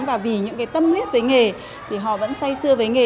và vì những cái tâm huyết với nghề thì họ vẫn say xưa với nghề